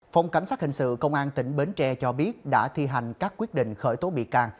phòng cảnh sát hình sự công an tỉnh bến tre cho biết đã thi hành các quyết định khởi tố bị can